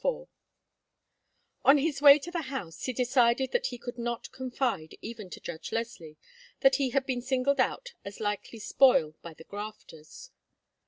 IV On his way to the house he decided that he could not confide even to Judge Leslie that he had been singled out as likely spoil by the "grafters."